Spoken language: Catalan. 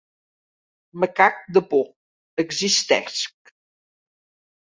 Me cag de por, existesc.